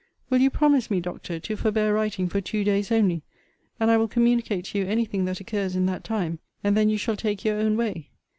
Will you promise me, Doctor, to forbear writing for two days only, and I will communicate to you any thing that occurs in that time; and then you shall take your own way?